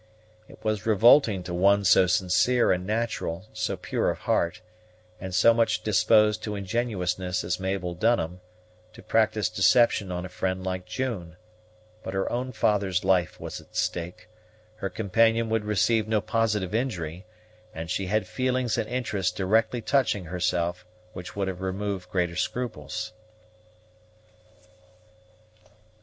It was revolting to one so sincere and natural, so pure of heart, and so much disposed to ingenuousness as Mabel Dunham, to practise deception on a friend like June; but her own father's life was at stake, her companion would receive no positive injury, and she had feelings and interests directly touching herself which would have removed greater scruples.